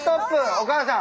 お母さん！